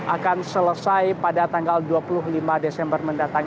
akan selesai pada tanggal dua puluh lima desember mendatang